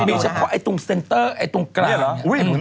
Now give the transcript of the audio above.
มีเฉพาะไอ้ตรงเซ็นเตอร์ไอ้ตรงกลางเหรอ